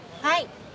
はい。